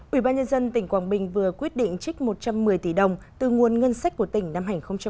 ủy ban nhân dân tỉnh quảng bình vừa quyết định trích một trăm một mươi tỷ đồng từ nguồn ngân sách của tỉnh năm hai nghìn một mươi chín